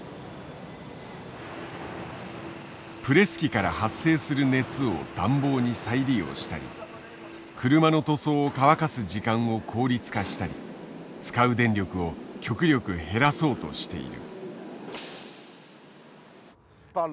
プレス機から発生する熱を暖房に再利用したり車の塗装を乾かす時間を効率化したり使う電力を極力減らそうとしている。